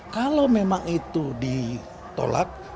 kalau memang itu ditolak